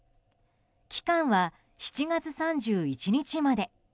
期間は７月３１日まで。